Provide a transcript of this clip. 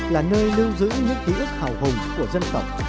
là nơi lưu giữ những ký ức hào hùng của dân tộc